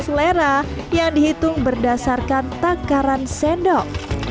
selera yang dihitung berdasarkan takaran sendok